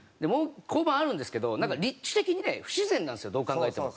交番あるんですけどなんか立地的にね不自然なんですよどう考えても。